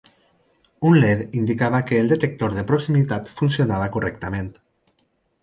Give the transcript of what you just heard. Un LED indicava que el detector de proximitat funcionava correctament.